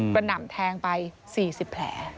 หน่ำแทงไป๔๐แผล